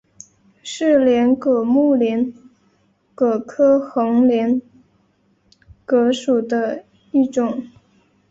是帘蛤目帘蛤科横帘蛤属的一种。